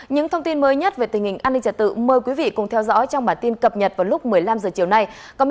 những thông tin mới nhất về tình hình an ninh trật tự mời quý vị cùng theo dõi trong bản tin cập nhật vào lúc một mươi năm h chiều nay